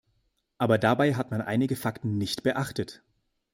Aber dabei hat man einige Fakten nicht beachtet.